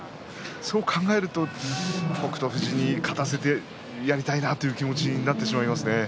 そう考えると北勝富士に勝たしてやりたいなという気持ちになってしまいますね。